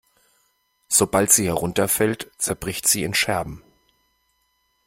Sobald sie herunterfällt, zerbricht sie in Scherben.